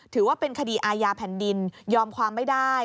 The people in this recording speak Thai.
ถือว่าเป็นคดีอาญาแผ่นดินยอมความไม่ได้